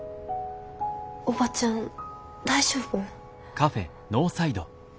おばちゃん大丈夫？